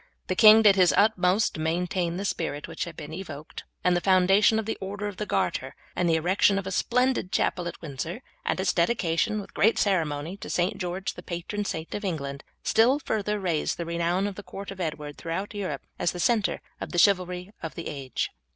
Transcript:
The king did his utmost to maintain the spirit which had been evoked, and the foundation of the order of the Garter, and the erection of a splendid chapel at Windsor, and its dedication, with great ceremony, to St. George, the patron saint of England, still further raised the renown of the court of Edward throughout Europe as the centre of the chivalry of the age.